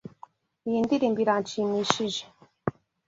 Iyi ndirimbo iranshimishije.